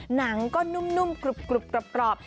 หนังก็นุ่มกรุบกรอบ